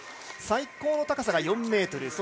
最高の高さが４ｍ。